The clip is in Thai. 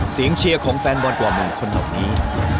เชียร์ของแฟนบอลกว่าหมื่นคนเหล่านี้